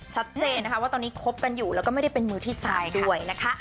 ชัดเจนนะคะว่าตอนนี้คบกันอยู่แล้วก็ไม่ได้เป็นมือที่๓ด้วยนะคะ